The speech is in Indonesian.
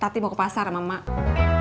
tati mau ke pasar sama mak